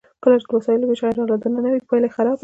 کله چې د وسایلو ویش غیر عادلانه وي پایله خرابه وي.